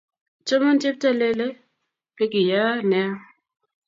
chaman cheptalele nekeyai nea.